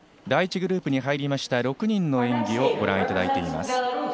第１グループに入りました６人の演技をご覧いただいてます。